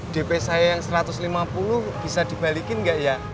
dp saya yang satu ratus lima puluh bisa dibalikin nggak ya